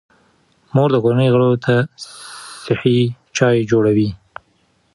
مور د کورنۍ غړو ته صحي چای جوړوي.